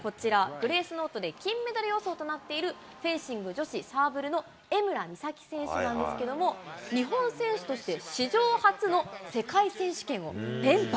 グレースノートで金メダル予想となっている、フェンシング女子サーブルの江村美咲選手なんですけれども、日本選手として史上初の世界選手権を連覇。